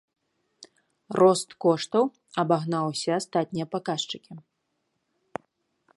Рост коштаў абагнаў усе астатнія паказчыкі.